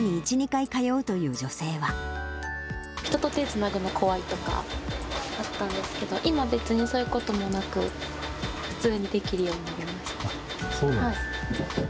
人と手つなぐの怖いとかあったんですけど、今、別にそういうこともなく、そうなんですね。